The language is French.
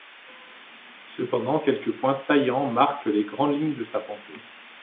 Cependant, quelques points saillants marquent les grandes lignes de sa pensée.